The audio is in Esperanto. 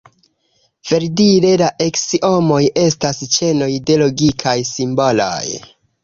Verdire, la aksiomoj estas ĉenoj de logikaj simboloj.